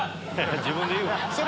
自分で言うんや。